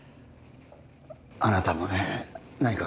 あなたもね何か